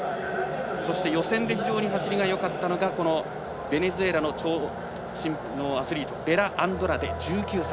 そして予選で非常に走りがよかったのはベネズエラの長身のアスリートベラアンドラデ、１９歳。